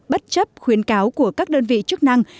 bất chấp khuyến cáo của các đơn vị chức năng